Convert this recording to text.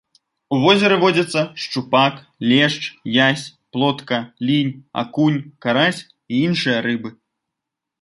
У возеры водзяцца шчупак, лешч, язь, плотка, лінь, акунь, карась і іншыя рыбы.